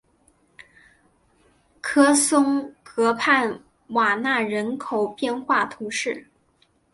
科松河畔瓦讷人口变化图示